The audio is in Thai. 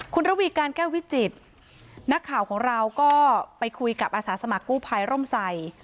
คุณระวีการแก้ววิจิตรนักข่าวของเราก็ไปคุยกับอาสาสมัครกู้ภัยร่มใส่